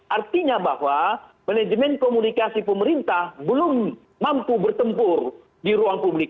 artinya bahwa manajemen komunikasi pemerintah belum mampu bertempur di ruang publik